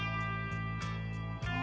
あ。